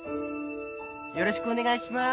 よろしくお願いします